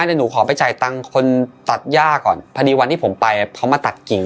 เดี๋ยวหนูขอไปจ่ายตังค์คนตัดย่าก่อนพอดีวันที่ผมไปเขามาตัดกิ่ง